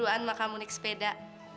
soalnya tadi aku naik sepeda